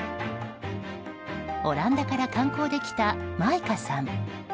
オランダから観光で来たマイカさん。